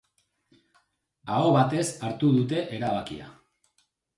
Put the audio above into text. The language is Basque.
Aho batez hartu dute erabakia.